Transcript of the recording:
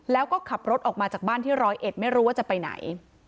แล้วก็ขับรถออกมาจากบ้านที่ร้อยเอ็ดไม่รู้ว่าจะไปไหน